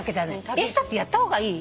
インスタってやった方がいい？